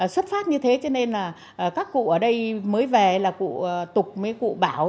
xuất phát như thế cho nên là các cụ ở đây mới về là cụ tục mấy cụ bảo